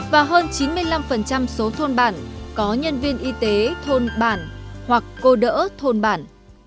và hơn chín mươi năm số thôn bản có nhân viên y tế thôn bản hoặc cô đỡ thôn bản